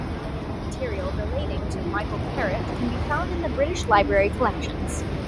Archival material relating to Michael Carritt can be found in the British Library collections.